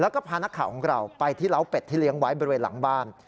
แล้วก็พานักข่าวของเราไปที่เล้าเป็ดที่เลี้ยงไว้บริเวณหลังบ้าน